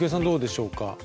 どうでしょうか？